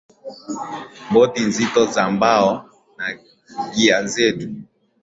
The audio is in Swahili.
boti nzito za mbao na gia zetu